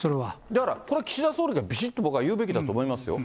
だからこれは岸田総理がびしっと僕は言うべきだと思いますよ。